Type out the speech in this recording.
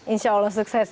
insya allah sukses